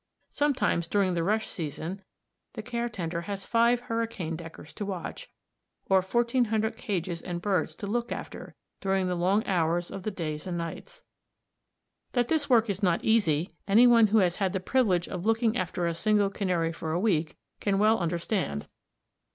Sometimes during the rush season the care tender has five hurricane deckers to watch, or fourteen hundred cages and birds to look after during the long hours of the days and nights. That this work is not easy, any one who has had the privilege of looking after a single canary for a week can well understand.